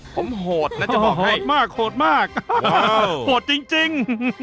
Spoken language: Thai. ผมโหดนะจะบอกให้โหดมากโหดจริง